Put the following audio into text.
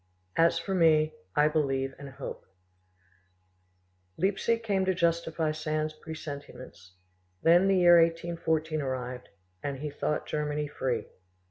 As for me, I believe and hope." Leipzig came to justify Sand's presentiments; then the year 1814 arrived, and he thought Germany free.